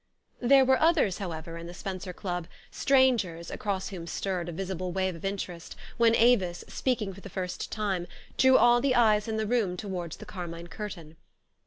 There were others, however, in the Spenser Club, strangers, across whom stirred a visible wave of interest when Avis, speaking for the first time, drew all the eyes in the room towards the carmine curtain.